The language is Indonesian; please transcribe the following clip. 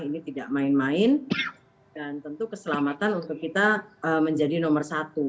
ini tidak main main dan tentu keselamatan untuk kita menjadi nomor satu